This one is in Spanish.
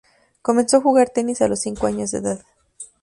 Comenzó a jugar tenis a los cinco años de edad.